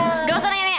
nggak usah nanya nanya